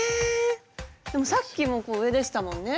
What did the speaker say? ⁉でもさっきも上でしたもんね。